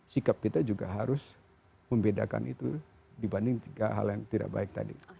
sikap kita juga harus membedakan itu dibanding tiga hal yang tidak baik tadi